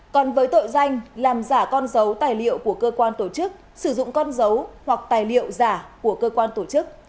còn với tội danh làm giả con dấu tài liệu của cơ quan tổ chức sử dụng con dấu hoặc tài liệu giả của cơ quan tổ chức